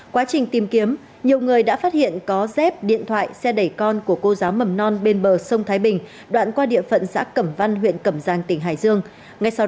quá trình tìm kiếm nhiều người đã phát hiện có dép điện thoại xe đẩy con của cô giáo mầm non bên bờ sông thái bình đoạn qua địa phận xã cẩm văn huyện cẩm giang tỉnh hải dương